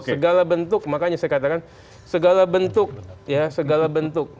segala bentuk makanya saya katakan segala bentuk ya segala bentuk